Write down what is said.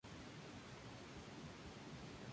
Provenientes de Córdoba.